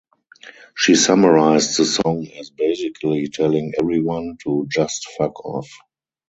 She summarized the song as "basically telling everyone to just fuck off".